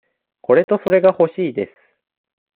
これとそれがほしいです。